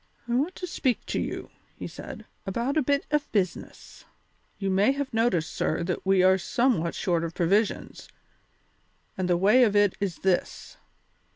"I want to speak to you," he said, "about a bit of business." "You may have noticed, sir, that we are somewhat short of provisions, and the way of it is this.